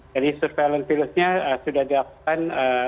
jadi surveillance virusnya sudah dilakukan